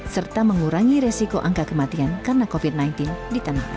serta mengurangi resiko angka kematian karena covid sembilan belas di tanah air